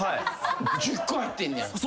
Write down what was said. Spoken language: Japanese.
１０個入ってんねや必ず？